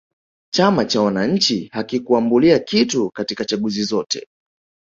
chama cha wananchi hakikuambulia kitu katika chaguzi zote